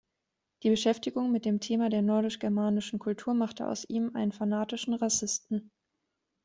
Die Beschäftigung mit dem Thema der nordisch-germanischen Kultur machte aus ihm einen fanatischen Rassisten.